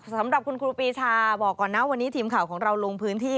สำหรับคุณครูปีชาบอกก่อนนะวันนี้ทีมข่าวของเราลงพื้นที่